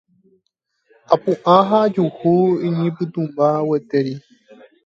Apu'ã ha ajuhu iñipytũmba gueteri.